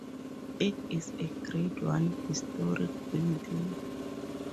It is a Grade One historic building.